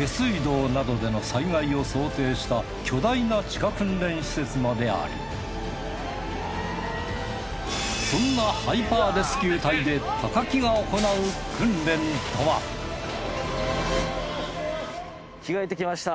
下水道などでの災害を想定した巨大な地下訓練施設まであるそんなハイパーレスキュー隊で着替えてきました。